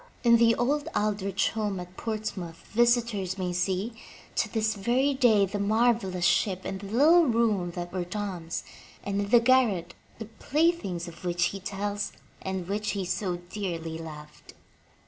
In the old Aldrich home at Ports mouth visitors may see, to this very day, the marvelous ship and the little room that were Tom*s, and in the garret, the playthings of which he tells and which he so dearly loved.